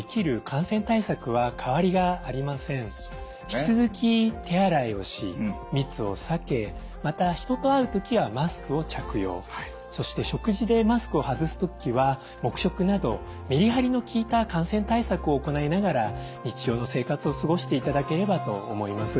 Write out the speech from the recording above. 引き続き手洗いをし密を避けまた人と会う時はマスクを着用そして食事でマスクを外す時は黙食などメリハリの効いた感染対策を行いながら日常の生活を過ごしていただければと思います。